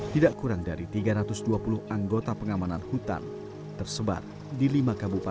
tidak kurang dari dua ratus lima puluh anggota pengamanan hutan tersebar di sekitar leuser